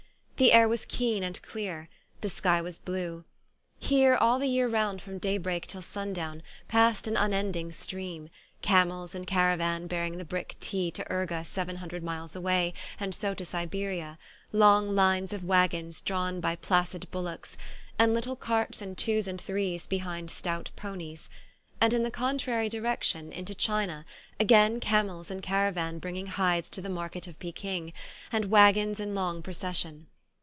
The air was keen and clear, the sky was blue. Here all the year round from daybreak till sundown, passed an unending stream, camels in caravan bearing the brick tea to Urga seven hun dred miles away and so to Siberia, long lines of wagons drawn by placid bullocks, and little carts in twos and threes behind stout ponies ; and in the contrary direction, into China, again camels in caravan bringing hides to the markets of Peking, and wagons in long procession.